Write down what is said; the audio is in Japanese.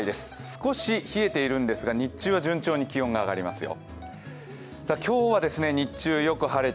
少し冷えているんですが日中は順調に気温が上がりますよ。